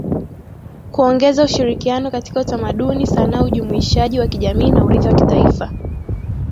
Kuongeza ushirikiano katika utamaduni sanaa ujumuishaji wa kijamii na urithi wa kitaifa